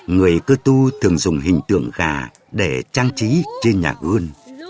người cơ tu thường dùng hình tượng gà để trang trí trên nhà gươn